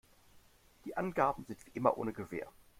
Die Angaben sind wie immer ohne Gewähr.